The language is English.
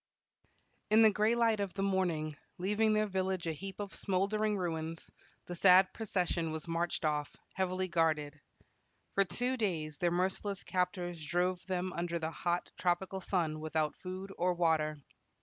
In the gray light of the morning, leaving their village a heap of smoldering ruins, the sad procession was marched off, heavily guarded. For two days their merciless captors drove them under the hot tropical sun without food or water.